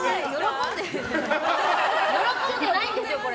喜んでないでしょ、これ。